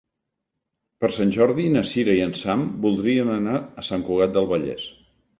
Per Sant Jordi na Cira i en Sam voldrien anar a Sant Cugat del Vallès.